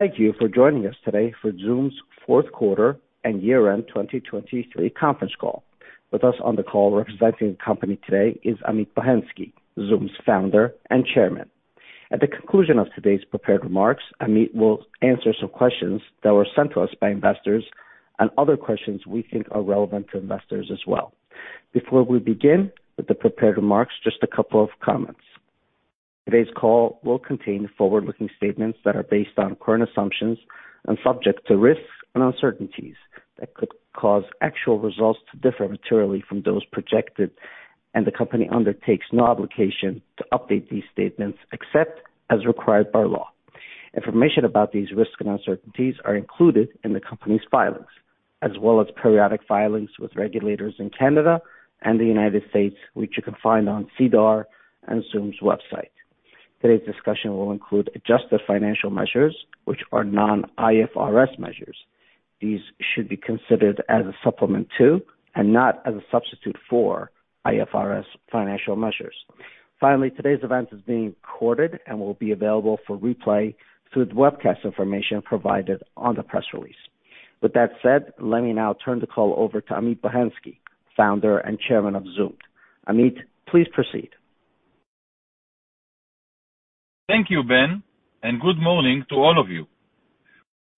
Thank you for joining us today for Zoomd's fourth quarter and year-end 2023 conference call. With us on the call representing the company today is Amit Bohensky, Zoomd's founder and chairman. At the conclusion of today's prepared remarks, Amit will answer some questions that were sent to us by investors and other questions we think are relevant to investors as well. Before we begin with the prepared remarks, just a couple of comments. Today's call will contain forward-looking statements that are based on current assumptions and subject to risks and uncertainties that could cause actual results to differ materially from those projected, and the company undertakes no obligation to update these statements except as required by law. Information about these risks and uncertainties are included in the company's filings, as well as periodic filings with regulators in Canada and the United States, which you can find on SEDAR+ and Zoomd's website. Today's discussion will include adjusted financial measures, which are non-IFRS measures. These should be considered as a supplement to and not as a substitute for IFRS financial measures. Finally, today's event is being recorded and will be available for replay through the webcast information provided on the press release. With that said, let me now turn the call over to Amit Bohensky, founder and chairman of Zoomd. Amit, please proceed. Thank you, Ben, and good morning to all of you.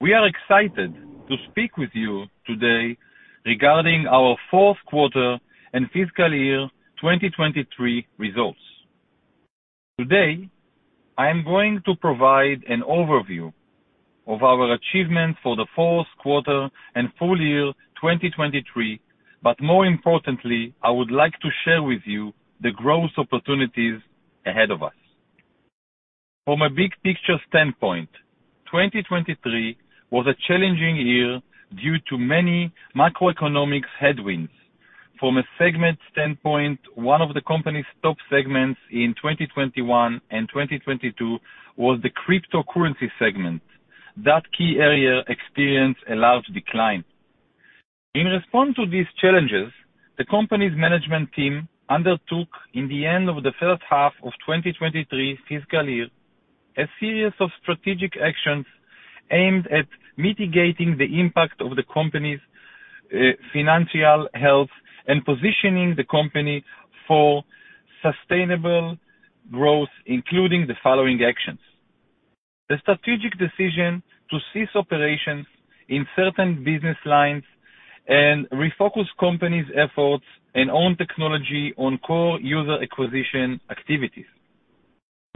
We are excited to speak with you today regarding our fourth quarter and fiscal year 2023 results. Today, I am going to provide an overview of our achievements for the fourth quarter and full year 2023, but more importantly, I would like to share with you the growth opportunities ahead of us. From a big picture standpoint, 2023 was a challenging year due to many macroeconomic headwinds. From a segment standpoint, one of the company's top segments in 2021 and 2022 was the cryptocurrency segment. That key area experienced a large decline. In response to these challenges, the company's management team undertook, in the end of the first half of 2023 fiscal year, a series of strategic actions aimed at mitigating the impact of the company's financial health and positioning the company for sustainable growth, including the following actions: the strategic decision to cease operations in certain business lines and refocus the company's efforts and its own technology on core user acquisition activities.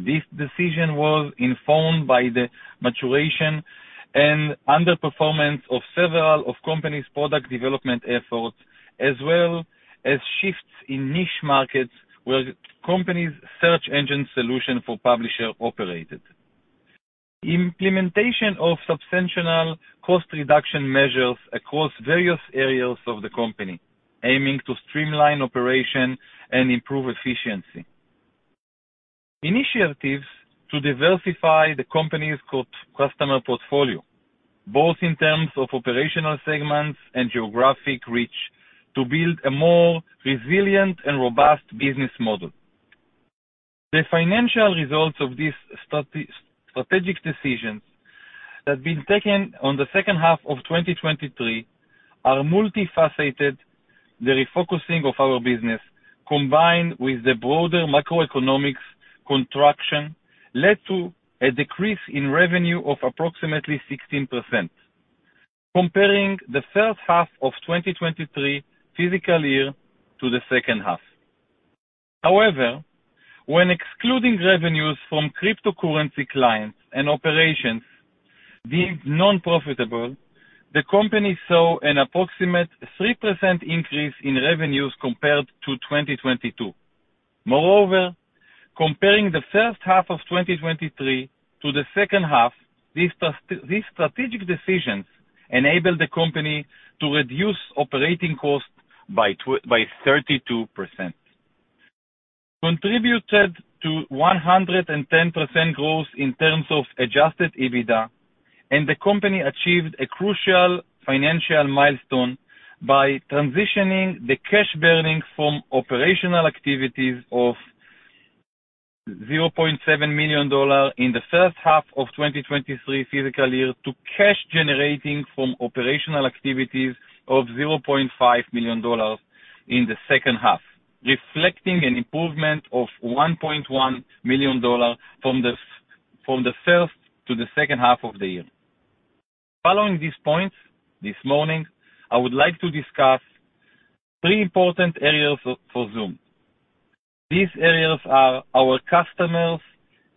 This decision was informed by the maturation and underperformance of several of the company's product development efforts, as well as shifts in niche markets where the company's search engine solution for publishers operated. Implementation of substantial cost reduction measures across various areas of the company, aiming to streamline operations and improve efficiency. Initiatives to diversify the company's customer portfolio, both in terms of operational segments and geographic reach, to build a more resilient and robust business model. The financial results of these strategic decisions that have been taken in the second half of 2023 are multifaceted. The refocusing of our business, combined with the broader macroeconomic contraction, led to a decrease in revenue of approximately 16%, comparing the first half of 2023 fiscal year to the second half. However, when excluding revenues from cryptocurrency clients and operations deemed non-profitable, the company saw an approximate 3% increase in revenues compared to 2022. Moreover, comparing the first half of 2023 to the second half, these strategic decisions enabled the company to reduce operating costs by 32%, contributed to 110% growth in terms of Adjusted EBITDA, and the company achieved a crucial financial milestone by transitioning the cash burning from operational activities of $0.7 million in the first half of 2023 fiscal year to cash generating from operational activities of $0.5 million in the second half, reflecting an improvement of $1.1 million from the first to the second half of the year. Following these points this morning, I would like to discuss three important areas for Zoomd. These areas are our customers,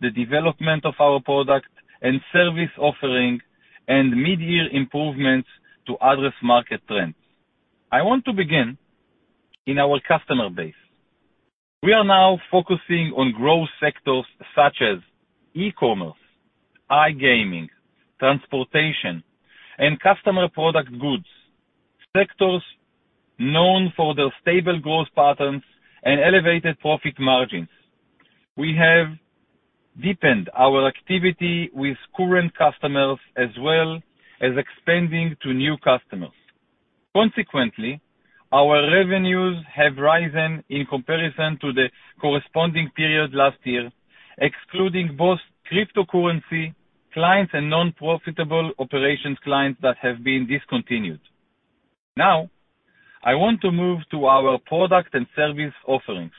the development of our product and service offering, and mid-year improvements to address market trends. I want to begin in our customer base. We are now focusing on growth sectors such as e-commerce, e-gaming, transportation, and consumer product goods, sectors known for their stable growth patterns and elevated profit margins. We have deepened our activity with current customers as well as expanding to new customers. Consequently, our revenues have risen in comparison to the corresponding period last year, excluding both cryptocurrency clients and non-profitable operations clients that have been discontinued. Now, I want to move to our product and service offerings.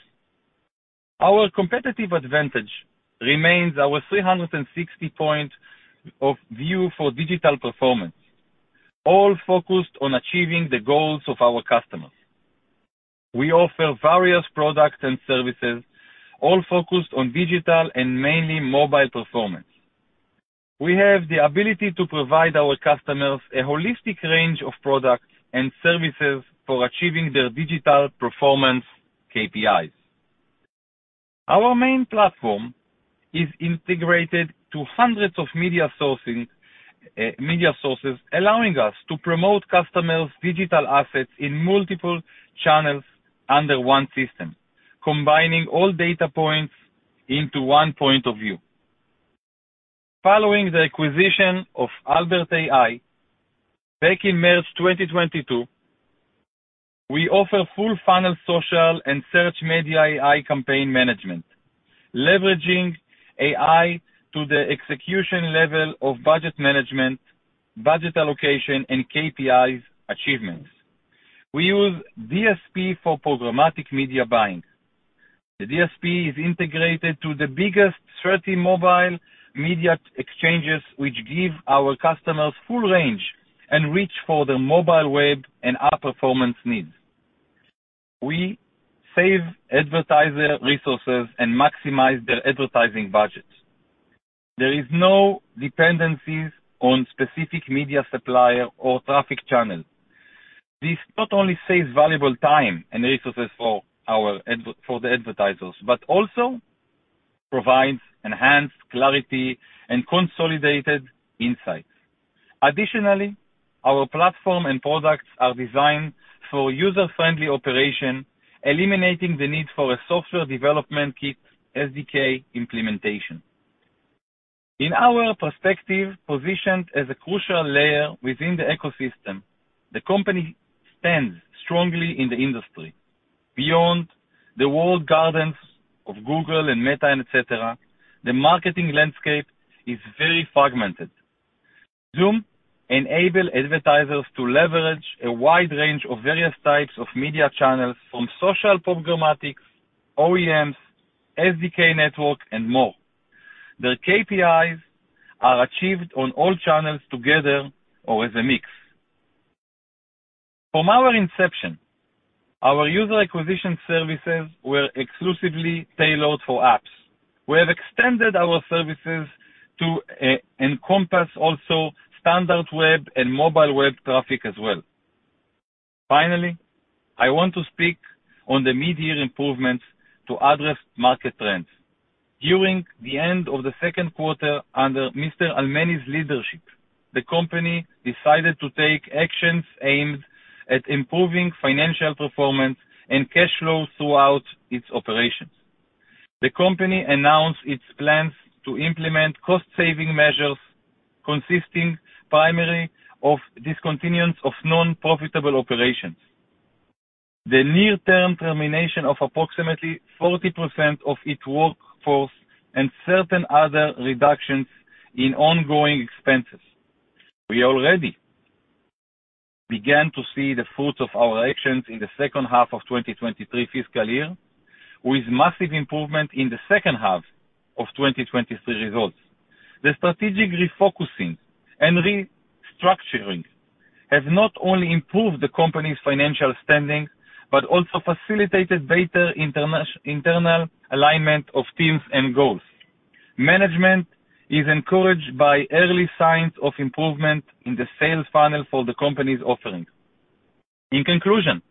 Our competitive advantage remains our 360-point view for digital performance, all focused on achieving the goals of our customers. We offer various products and services, all focused on digital and mainly mobile performance. We have the ability to provide our customers a holistic range of products and services for achieving their digital performance KPIs. Our main platform is integrated to hundreds of media sources, allowing us to promote customers' digital assets in multiple channels under one system, combining all data points into one point of view. Following the acquisition of Albert.ai back in March 2022, we offer full-funnel social and search media AI campaign management, leveraging AI to the execution level of budget management, budget allocation, and KPIs achievements. We use DSP for programmatic media buying. The DSP is integrated to the biggest 30 mobile media exchanges, which give our customers full range and reach for their mobile web and app performance needs. We save advertiser resources and maximize their advertising budget. There are no dependencies on specific media supplier or traffic channel. This not only saves valuable time and resources for the advertisers but also provides enhanced clarity and consolidated insights. Additionally, our platform and products are designed for user-friendly operation, eliminating the need for a Software Development Kit (SDK) implementation. In our perspective, positioned as a crucial layer within the ecosystem, the company stands strongly in the industry. Beyond the walled gardens of Google and Meta, etc., the marketing landscape is very fragmented. Zoomd enables advertisers to leverage a wide range of various types of media channels from social, programmatics, OEMs, SDK networks, and more. Their KPIs are achieved on all channels together or as a mix. From our inception, our user acquisition services were exclusively tailored for apps. We have extended our services to encompass also standard web and mobile web traffic as well. Finally, I want to speak on the mid-year improvements to address market trends. During the end of the second quarter, under Mr. Almany's leadership, the company decided to take actions aimed at improving financial performance and cash flow throughout its operations. The company announced its plans to implement cost-saving measures consisting primarily of discontinuance of non-profitable operations, the near-term termination of approximately 40% of its workforce, and certain other reductions in ongoing expenses. We already began to see the fruits of our actions in the second half of 2023 fiscal year, with massive improvements in the second half of 2023 results. The strategic refocusing and restructuring have not only improved the company's financial standing but also facilitated better internal alignment of teams and goals. Management is encouraged by early signs of improvement in the sales funnel for the company's offerings. In conclusion,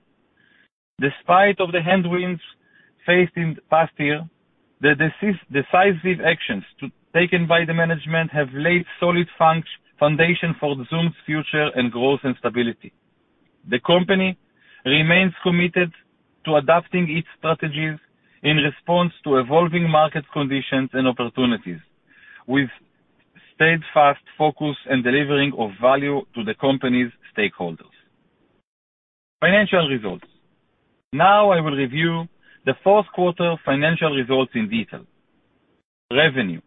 despite the headwinds faced in the past year, the decisive actions taken by the management have laid solid foundations for Zoomd's future and growth and stability. The company remains committed to adapting its strategies in response to evolving market conditions and opportunities, with steadfast focus and delivering of value to the company's stakeholders. Financial results. Now, I will review the fourth quarter financial results in detail. Revenue.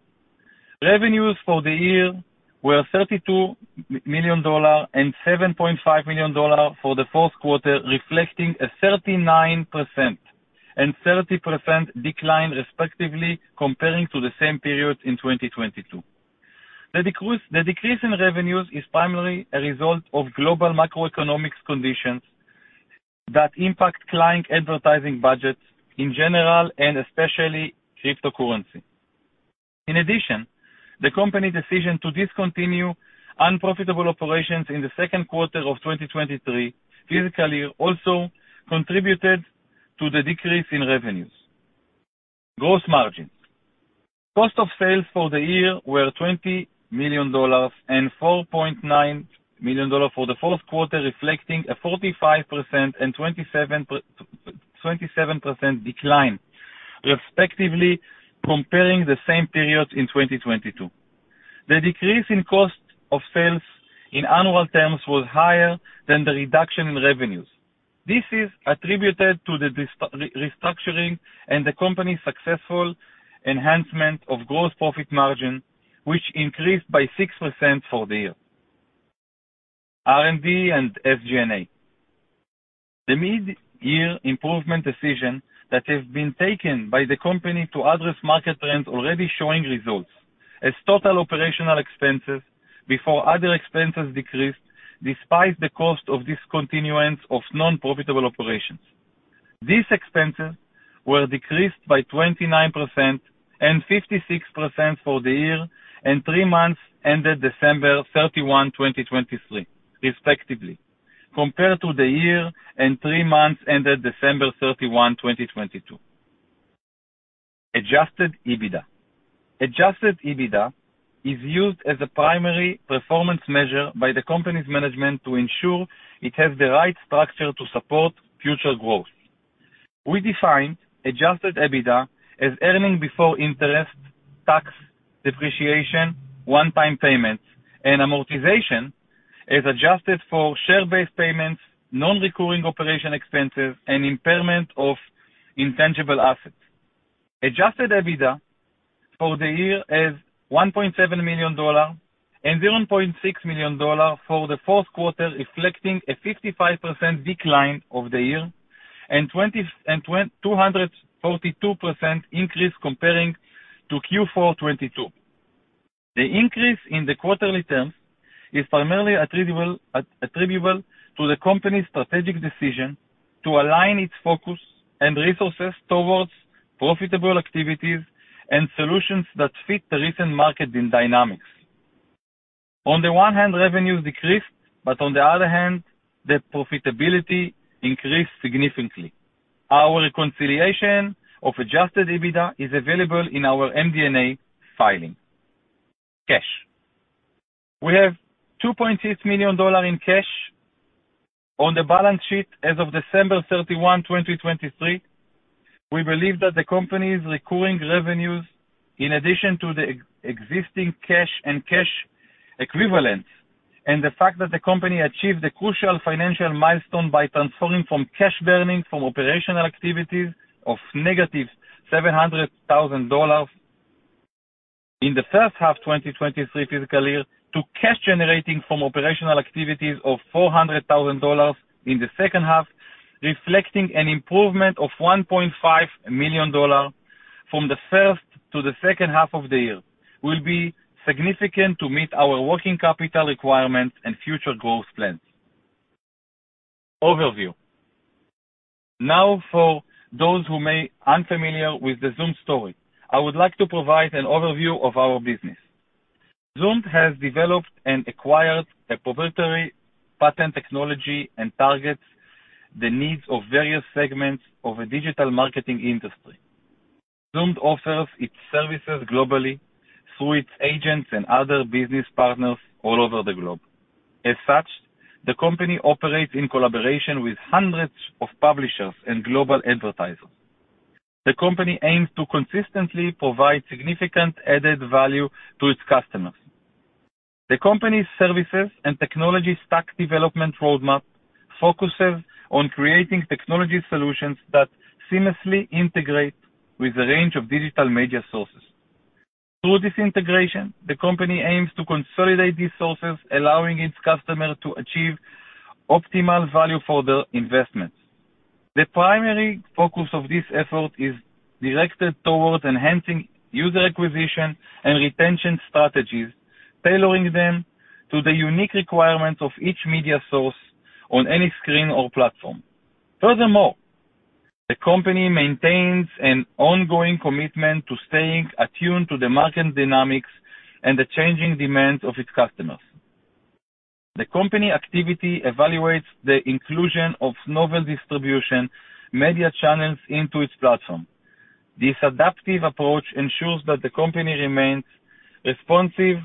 Revenues for the year were $32 million and $7.5 million for the fourth quarter, reflecting a 39% and 30% decline, respectively, comparing to the same period in 2022. The decrease in revenues is primarily a result of global macroeconomic conditions that impact client advertising budgets in general and especially cryptocurrency. In addition, the company's decision to discontinue unprofitable operations in the second quarter of 2023 fiscal year also contributed to the decrease in revenues. Gross margins. Cost of sales for the year were $20 million and $4.9 million for the fourth quarter, reflecting a 45% and 27% decline, respectively, comparing the same period in 2022. The decrease in cost of sales in annual terms was higher than the reduction in revenues. This is attributed to the restructuring and the company's successful enhancement of gross profit margin, which increased by 6% for the year. R&D and SG&A. The mid-year improvement decisions that have been taken by the company to address market trends already show results, as total operational expenses before other expenses decreased despite the cost of discontinuance of non-profitable operations. These expenses were decreased by 29% and 56% for the year and three months ended December 31, 2023, respectively, compared to the year and three months ended December 31, 2022. Adjusted EBITDA. Adjusted EBITDA is used as a primary performance measure by the company's management to ensure it has the right structure to support future growth. We defined Adjusted EBITDA as earnings before interest, tax, depreciation, one-time payments, and amortization as adjusted for share-based payments, non-recurring operation expenses, and impairment of intangible assets. Adjusted EBITDA for the year is $1.7 million and $0.6 million for the fourth quarter, reflecting a 55% decline of the year and 242% increase comparing to Q4 2022. The increase in the quarterly terms is primarily attributable to the company's strategic decision to align its focus and resources towards profitable activities and solutions that fit the recent market dynamics. On the one hand, revenues decreased, but on the other hand, the profitability increased significantly. Our reconciliation of Adjusted EBITDA is available in our MD&A filing. Cash. We have $2.6 million in cash on the balance sheet as of December 31, 2023. We believe that the company's recurring revenues, in addition to the existing cash and cash equivalents, and the fact that the company achieved a crucial financial milestone by transforming from cash burning from operational activities of -$700,000 in the first half of 2023 fiscal year to cash generating from operational activities of $400,000 in the second half, reflecting an improvement of $1.5 million from the first to the second half of the year, will be significant to meet our working capital requirements and future growth plans. Overview. Now, for those who may be unfamiliar with the Zoomd story, I would like to provide an overview of our business. Zoomd has developed and acquired a proprietary patent technology and targets the needs of various segments of the digital marketing industry. Zoomd offers its services globally through its agents and other business partners all over the globe. As such, the company operates in collaboration with hundreds of publishers and global advertisers. The company aims to consistently provide significant added value to its customers. The company's services and technology stack development roadmap focuses on creating technology solutions that seamlessly integrate with a range of digital media sources. Through this integration, the company aims to consolidate these sources, allowing its customers to achieve optimal value for their investments. The primary focus of this effort is directed towards enhancing user acquisition and retention strategies, tailoring them to the unique requirements of each media source on any screen or platform. Furthermore, the company maintains an ongoing commitment to staying attuned to the market dynamics and the changing demands of its customers. The company activity evaluates the inclusion of novel distribution media channels into its platform. This adaptive approach ensures that the company remains responsive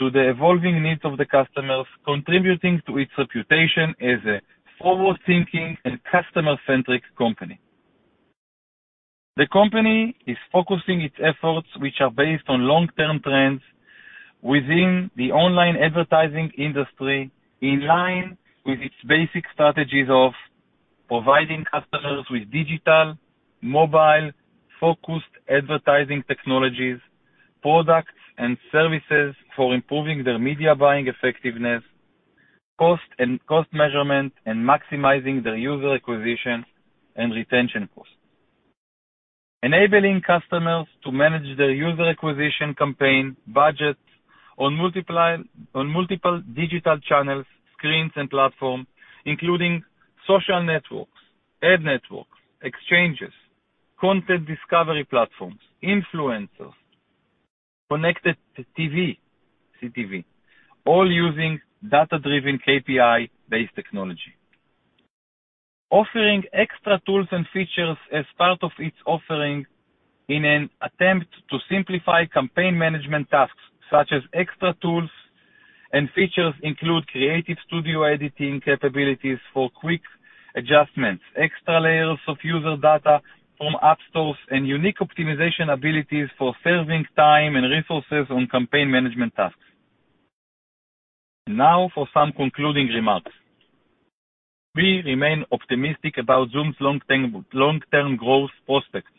to the evolving needs of the customers, contributing to its reputation as a forward-thinking and customer-centric company. The company is focusing its efforts, which are based on long-term trends within the online advertising industry, in line with its basic strategies of providing customers with digital, mobile-focused advertising technologies, products and services for improving their media buying effectiveness, cost measurement, and maximizing their user acquisition and retention costs. Enabling customers to manage their user acquisition campaign budgets on multiple digital channels, screens, and platforms, including social networks, ad networks, exchanges, content discovery platforms, influencers, connected TV, CTV, all using data-driven, KPI-based technology. Offering extra tools and features as part of its offering in an attempt to simplify campaign management tasks, such as extra tools and features, include creative studio editing capabilities for quick adjustments, extra layers of user data from app stores, and unique optimization abilities for saving time and resources on campaign management tasks. Now, for some concluding remarks. We remain optimistic about Zoomd's long-term growth prospects.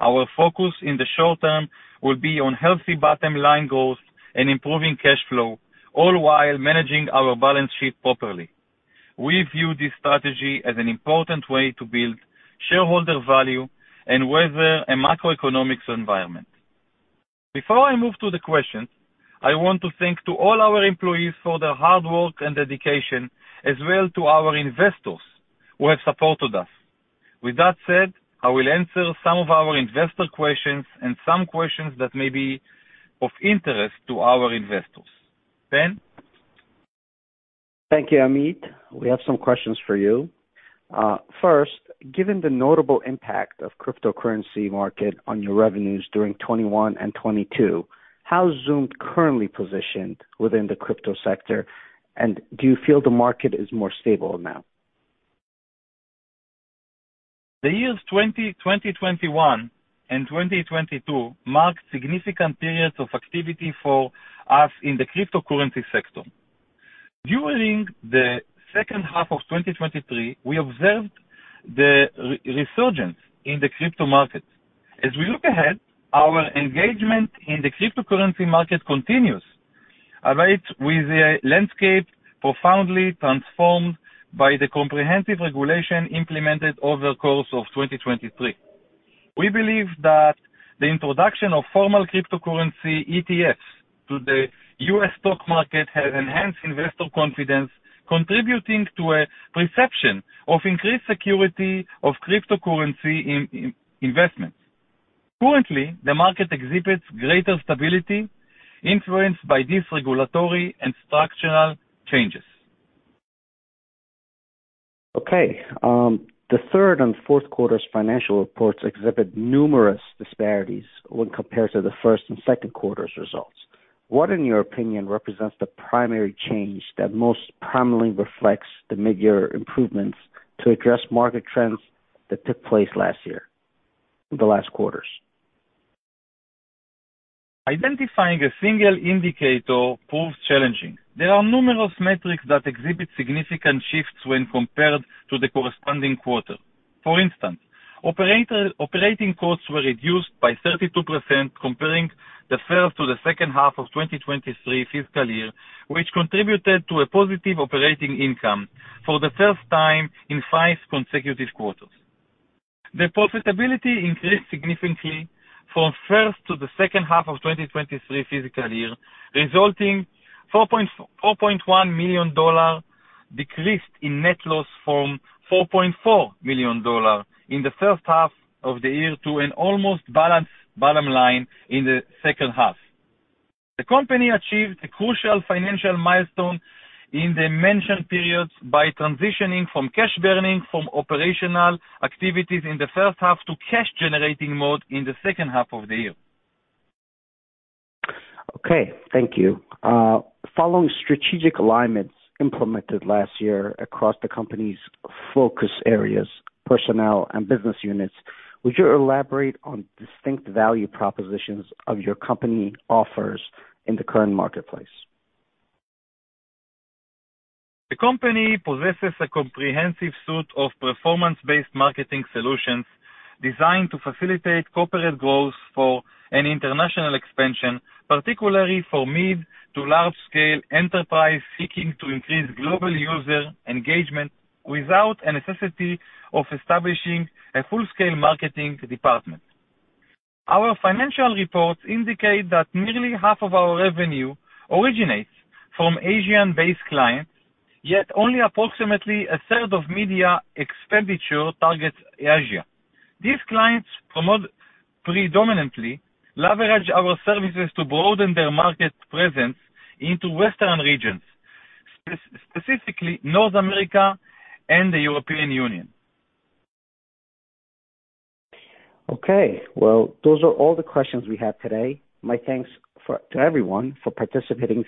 Our focus in the short term will be on healthy bottom-line growth and improving cash flow, all while managing our balance sheet properly. We view this strategy as an important way to build shareholder value and weather a macroeconomic environment. Before I move to the questions, I want to thank all our employees for their hard work and dedication, as well as our investors who have supported us. With that said, I will answer some of our investor questions and some questions that may be of interest to our investors. Ben? Thank you, Amit. We have some questions for you. First, given the notable impact of the cryptocurrency market on your revenues during 2021 and 2022, how is Zoomd currently positioned within the crypto sector, and do you feel the market is more stable now? The years 2020, 2021, and 2022 marked significant periods of activity for us in the cryptocurrency sector. During the second half of 2023, we observed the resurgence in the crypto market. As we look ahead, our engagement in the cryptocurrency market continues, albeit with a landscape profoundly transformed by the comprehensive regulation implemented over the course of 2023. We believe that the introduction of formal cryptocurrency ETFs to the U.S. stock market has enhanced investor confidence, contributing to a perception of increased security of cryptocurrency investments. Currently, the market exhibits greater stability influenced by these regulatory and structural changes. Okay. The third and fourth quarters financial reports exhibit numerous disparities when compared to the first and second quarters results. What, in your opinion, represents the primary change that most prominently reflects the mid-year improvements to address market trends that took place last year in the last quarters? Identifying a single indicator proves challenging. There are numerous metrics that exhibit significant shifts when compared to the corresponding quarter. For instance, operating costs were reduced by 32% comparing the first to the second half of 2023 fiscal year, which contributed to a positive operating income for the first time in five consecutive quarters. The profitability increased significantly from the first to the second half of 2023 fiscal year, resulting in a $4.1 million decrease in net loss from $4.4 million in the first half of the year to an almost balanced bottom line in the second half. The company achieved a crucial financial milestone in the mentioned periods by transitioning from cash burning from operational activities in the first half to cash-generating mode in the second half of the year. Okay. Thank you. Following strategic alignments implemented last year across the company's focus areas, personnel, and business units, would you elaborate on distinct value propositions of your company's offers in the current marketplace? The company possesses a comprehensive suite of performance-based marketing solutions designed to facilitate corporate growth and international expansion, particularly for mid- to large-scale enterprises seeking to increase global user engagement without the necessity of establishing a full-scale marketing department. Our financial reports indicate that nearly half of our revenue originates from Asian-based clients, yet only approximately a third of media expenditure targets Asia. These clients predominantly leverage our services to broaden their market presence into Western regions, specifically North America and the European Union. Okay. Well, those are all the questions we have today. My thanks to everyone for participating.